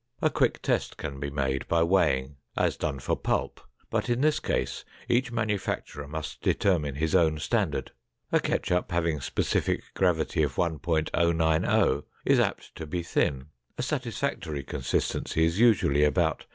A quick test can be made by weighing, as done for pulp, but in this case each manufacturer must determine his own standard. A ketchup having specific gravity of 1.090 is apt to be thin; a satisfactory consistency is usually about 1.